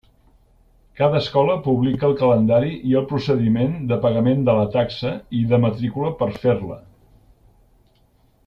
Cada escola publica el calendari i el procediment de pagament de la taxa i de matrícula per a fer-la.